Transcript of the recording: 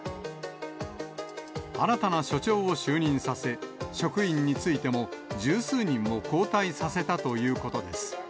新たな所長を就任させ、職員についても十数人を交代させたということです。